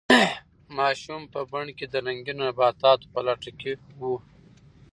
ماشوم په بڼ کې د رنګینو تیتانانو په لټه کې و.